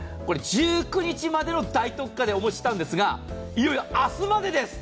１９日までの大特価でお持ちしたんですが、いよいよ明日までです。